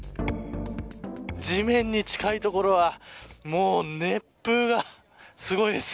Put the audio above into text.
地面に近い所はもう、熱風がすごいです。